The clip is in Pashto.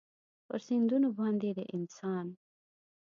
پر سیندونو باندې د انسان